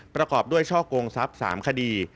ประกอบด้วยช่อกงทรัพย์๓คดี